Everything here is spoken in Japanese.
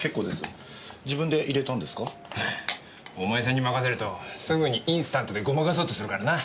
お前さんに任せるとすぐにインスタントでごまかそうとするからな。